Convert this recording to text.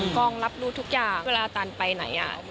กองรับรู้ทุกอย่างเวลาตันไปไหน